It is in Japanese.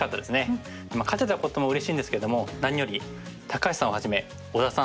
勝てたこともうれしいんですけども何より橋さんをはじめ小田さん